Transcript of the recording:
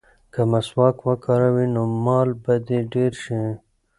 که مسواک وکاروې نو مال به دې ډېر شي.